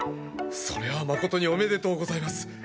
それはまことにおめでとうございます。